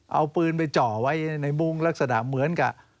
เอาปืนไปเจาะไว้ในมุ้งลักษณะเหมือนกับ